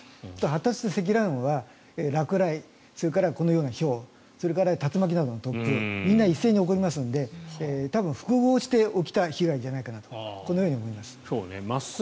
発達した積乱雲は落雷、それからこのようなひょうそれから竜巻などの突風みんな一斉に起こりますので多分、複合して起きた被害じゃないかなとこのように思います。